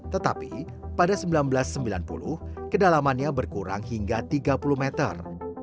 tetapi pada seribu sembilan ratus sembilan puluh kedalamannya berkurang hingga tiga puluh meter